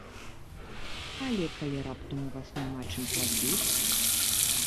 Але калі раптам у вас няма чым плаціць?